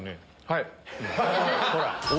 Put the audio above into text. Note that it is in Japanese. はい！